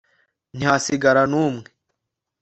ntihasigara n'umwe